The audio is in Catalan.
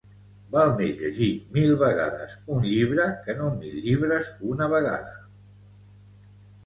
Val més llegir mil vegades un llibre, que no mil llibres una vegada